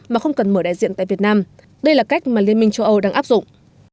mà không cần mở đại diện tại việt nam đây là cách mà liên minh châu âu đang áp dụng